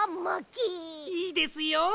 いいですよ。